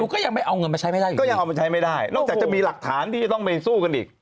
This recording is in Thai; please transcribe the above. ก็ยังเอาเงินมาใช้ไม่ได้นอกจากจะมีหลักฐานที่จะต้องไปสู้กันอีก